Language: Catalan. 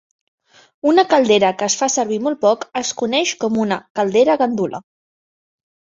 Una caldera que es fa servir molt poc es coneix com una "caldera gandula".